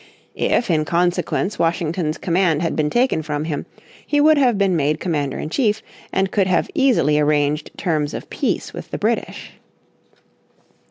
If in consequence Washington's command had been taken from him, he would have been made commander in chief and cold have easily arranged terms of peace with the British.